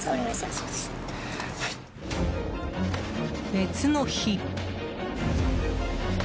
別の日。